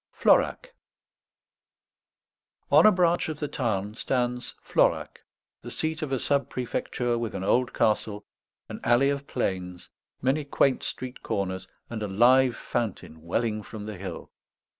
FLORAC On a branch of the Tarn stands Florac, the seat of a sub prefecture with an old castle, an alley of planes, many quaint street corners, and a live fountain welling from the hill.